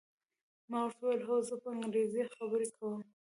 ما ورته وویل: هو، زه په انګریزي خبرې کوم.